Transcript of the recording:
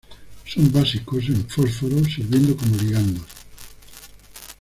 Son básicos en fósforo, sirviendo como ligandos.